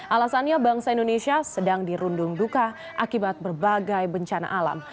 alasannya bangsa indonesia sedang dirundung duka akibat berbagai bencana alam